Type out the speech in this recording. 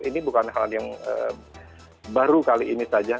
ini bukan hal yang baru kali ini saja